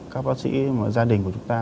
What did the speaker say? các bác sĩ gia đình của chúng ta